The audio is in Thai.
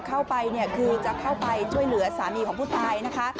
เข้าไปเนี่ยคือจะเข้าไปช่วยเหลือสามีของผู้ตายนะคะ